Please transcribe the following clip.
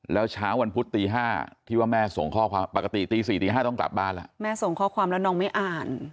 แล้วเช้าวันพุธตี๕ที่ว่าแม่ส่งข้อความปกติตี๔ตี๕ต้องกลับบ้านแล้วแม่ส่งข้อความแล้วน้องไม่อ่าน